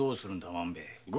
万兵衛。